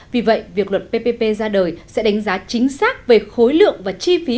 vì vậy việc luật ppp ra đời sẽ đánh giá chính xác về khối lượng và chi phí